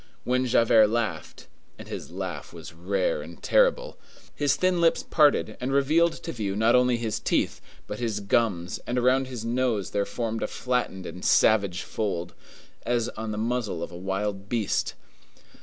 When Javert laughed,—and his laugh was rare and terrible,—his thin lips parted and revealed to view not only his teeth, but his gums, and around his nose there formed a flattened and savage fold, as on the muzzle of a wild beast.